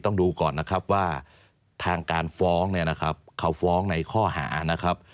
ต้องดูก่อนนะครับว่าทางการฟ้องเนี่ยนะครับเขาฟ้องในข้อหานะครับ